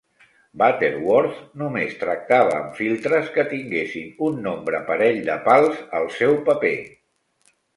Butterworth només tractava amb filtres que tinguessin un nombre parell de pals al seu paper.